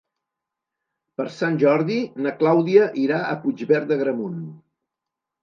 Per Sant Jordi na Clàudia irà a Puigverd d'Agramunt.